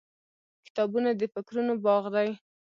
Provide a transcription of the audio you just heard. • کتابونه د فکرونو باغ دی.